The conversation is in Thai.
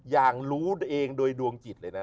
อย่างรู้ตัวเองโดยดวงจิตเลยนะ